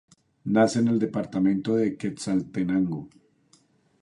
Nace en el departamento de Quetzaltenango.